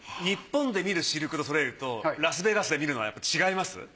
日本で見るシルク・ドゥ・ソレイユとラスベガスで見るのは違います？